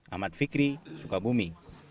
ahmad fikri sukabumi